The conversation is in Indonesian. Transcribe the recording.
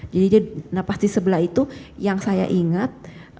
jadi dia nafas di sebelah itu yang saya ingat